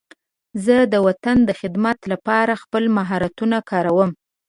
زه د وطن د خدمت لپاره خپل مهارتونه کاروم.